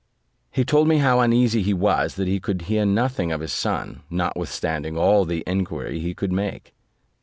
He told me how uneasy he was that he could hear nothing of his son, notwithstanding all the enquiry he could make.